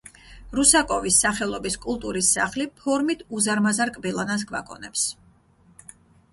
რუსაკოვის სახელობის კულტურის სახლი ფორმით უზარმაზარ კბილანას გვაგონებს.